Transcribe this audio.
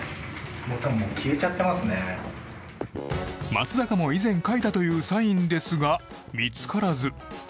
松坂も以前、書いたというサインですが見つからず。